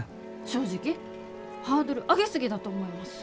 正直ハードル上げ過ぎだと思います。